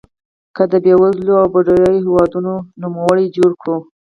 که د بېوزلو او بډایو هېوادونو نوملړ جوړ کړو.